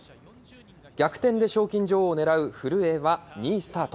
逆転で賞金女王をねらう古江は２位スタート。